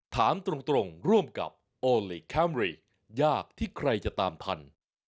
ถามตรงร่วมกับโอลี่คัมรี่ยากที่ใครจะตามทัน